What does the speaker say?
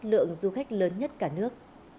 lượng du khách lớn nhất cả nước